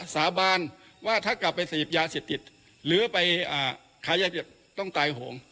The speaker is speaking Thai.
สาบานว่าถ้ากลับไปสะยิบยาเสียติดหรือไปอ่าขายยาเสียติดต้องตายโหง